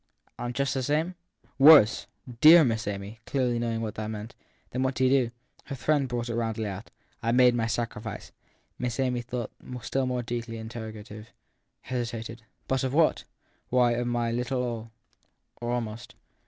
And just the same? 1 Worse. Dear ! said Miss Amy, clearly knowing what that meant. < Then what did you do ? Her friend brought it roundly out. I made my sacrifice. Miss Amy, though still more deeply interrogative, hesitated. 1 But of what ? 1 Why, of my little all or almost.